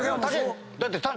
だって。